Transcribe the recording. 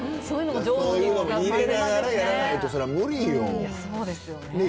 そうですよね。